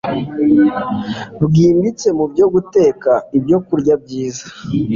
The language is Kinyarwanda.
bwimbitse mu byo guteka ibyokurya byiza